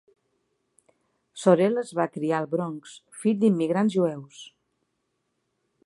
Sorel es va criar al Bronx, fill d'immigrants jueus.